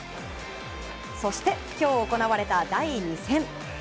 そして、今日行われた第２戦。